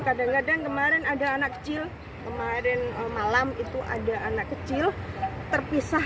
kadang kadang kemarin ada anak kecil kemarin malam itu ada anak kecil terpisah